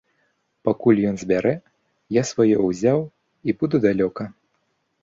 Пакуль ён збярэ, я сваё ўзяў і буду далёка!